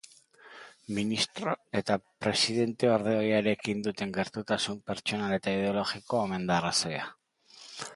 Ministro eta presidenteorde ohiarekin duten gertutasun pertsonal eta ideologikoa omen da arrazoia.